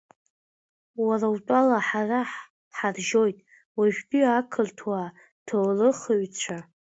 Уара утәала ҳара ҳаржьоит уажәтәи ақырҭуа ҭоурыхыҩҩцәа?